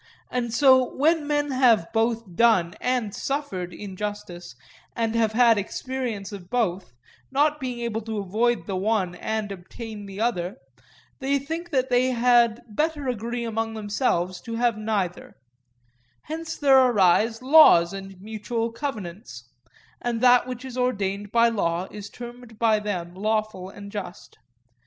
And so when men have both done and suffered injustice and have had experience of both, not being able to avoid the one and obtain the other, they think that they had better agree among themselves to have neither; hence there arise laws and mutual covenants; and that which is ordained by law is termed by them lawful and just.